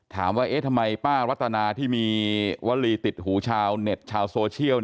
ถามว่าเอ๊ะทำไมป้ารัตนาที่มีวลีติดหูชาวเน็ตชาวโซเชียล